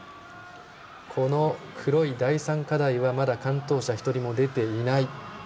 この黒い第３課題はまだ完登者が１人も出ていない。